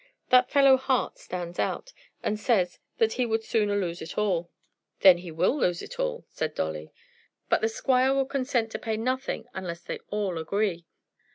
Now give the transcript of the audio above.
That fellow Hart stands out, and says that he would sooner lose it all." "Then he will lose it all," said Dolly. "But the squire will consent to pay nothing unless they all agree.